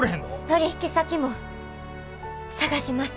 取引先も探します！